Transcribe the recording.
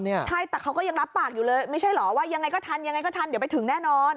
ใช่แต่เขายังรับปากยังนั้งเลยอย่างไรก็ทันเดี๋ยวไปถึงแน่นอน